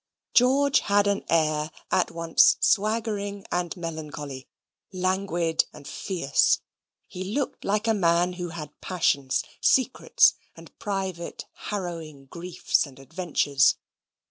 George had an air at once swaggering and melancholy, languid and fierce. He looked like a man who had passions, secrets, and private harrowing griefs and adventures.